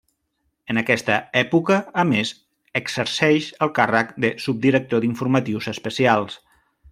En aquesta època, a més, exerceix el càrrec de Subdirector d'informatius especials.